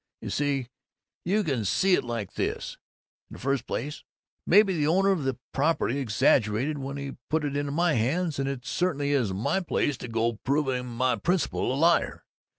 You see you see it's like this: In the first place, maybe the owner of the property exaggerated when he put it into my hands, and it certainly isn't my place to go proving my principal a liar!